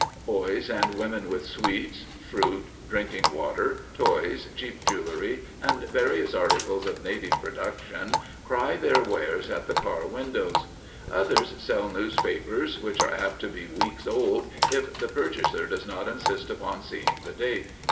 Boys and women with sweets, fruit, drinking water, toys, cheap jewelry, and various articles of native production cry their wares at the car windows. Others sell newspapers, which are apt to be weeks old, if the purchaser does not insist upon seeing the date.